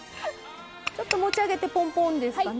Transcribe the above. ちょっと持ち上げてぽんぽんですかね。